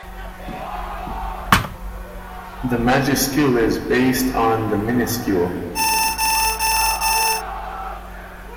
The majuscule is then based on the minuscule.